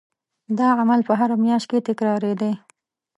دا عمل به هره میاشت تکرارېدی.